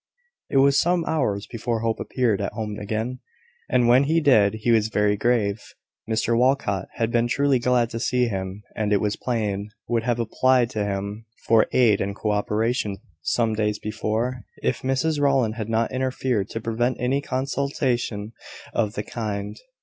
It was some hours before Hope appeared at home again; and when he did, he was very grave. Mr Walcot had been truly glad to see him, and, it was plain, would have applied to him for aid and co operation some days before, if Mrs Rowland had not interfered, to prevent any consultation of the kind.